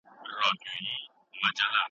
خالصول او پاکول لاره بندوي.